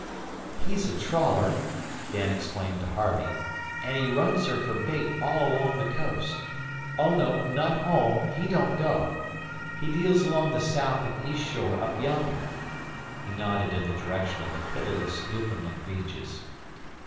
"He's a trawler," Dan explained to Harvey, "an' he runs in fer bait all along the coast. Oh, no, not home, he don't go. He deals along the south an' east shore up yonder." He nodded in the direction of the pitiless Newfoundland beaches.